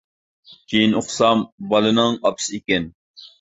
كېيىن ئۇقسام، بالىنىڭ ئاپىسى ئىكەن.